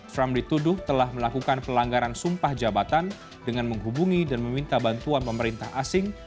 trump dituduh telah melakukan pelanggaran sumpah jabatan dengan menghubungi dan meminta bantuan pemerintah asing